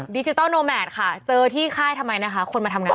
ดิจิทัลโนแมทค่ะเจอที่ค่ายทำไมนะคะคนมาทำงาน